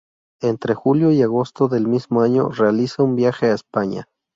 Entre julio y agosto del mismo año realiza un viaje a España.